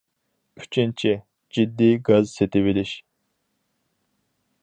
ئۈچىنچى، جىددىي گاز سېتىۋېلىش.